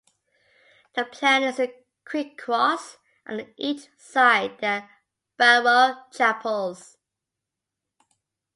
The plan is a Greek cross and on each side there are baroque chapels.